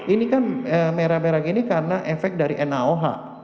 ini kan merah merah gini karena efek dari naoh